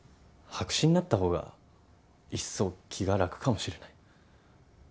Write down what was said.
白紙になったほうがいっそ気が楽かもしれない。